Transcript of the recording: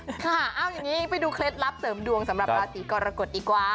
ค่ะเอาอย่างนี้ไปดูเคล็ดลับเสริมดวงสำหรับราศีกรกฎดีกว่า